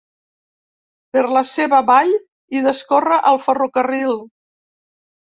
Per la seva vall hi discorre el ferrocarril.